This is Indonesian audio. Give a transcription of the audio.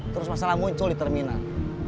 terus masalah muncul di terminal